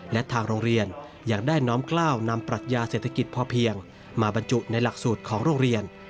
และทางโรงเรียนยังได้น้อมกล้าวนำปรัชญาเศรษฐกิจพอเพียงมาบรรจุในหลักสูตรของโรงเรียน